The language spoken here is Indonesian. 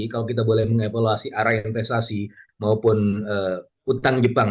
kalau kita boleh meng evaluasi arah investasi maupun utang jepang